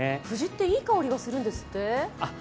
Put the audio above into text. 藤っていい香りがするんですって。